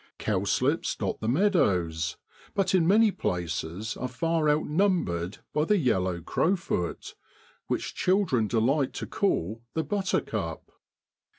Cowslips dot the meadows, but in many places are far out numbered by the yellow crowfoot, which children delight to call the butter cup.